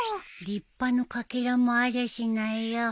立派のかけらもありゃしないよ。